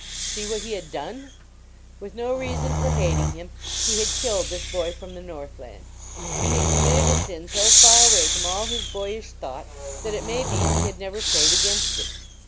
See what he had done ! With no reason for hating him, he had killed this boy from the Northland. He had committed a sin so far away from all his boyish thought that it may be he had never prayed against it.